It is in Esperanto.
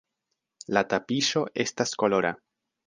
La tapiŝo estas kolora.